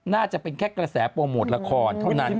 น่าจะเป็นแค่กระแสโปรโมทละครเท่านั้น